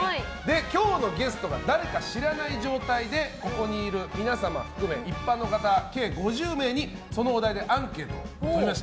今日のゲストが誰か知らない状態でここにいる皆様含め、一般の方計５０名に、そのお題でアンケートをとりました。